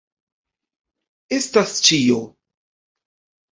Estas ĉio.